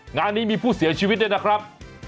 งานนี้มีผู้เสียชีวิตด้วยนะครับ